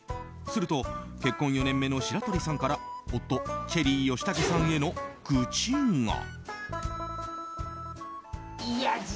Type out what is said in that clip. すると結婚４年目の白鳥さんから夫・チェリー吉武さんへの愚痴が。